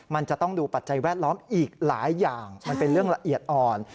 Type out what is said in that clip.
มันจะต้องดูปัจจัยแวดล้อมอีกหลายอย่างมันเป็นเรื่องละเอียดอ่อน